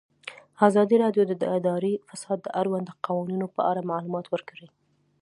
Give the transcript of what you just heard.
ازادي راډیو د اداري فساد د اړونده قوانینو په اړه معلومات ورکړي.